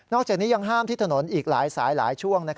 จากนี้ยังห้ามที่ถนนอีกหลายสายหลายช่วง